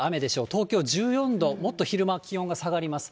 東京１４度、もっと昼間、気温が下がります。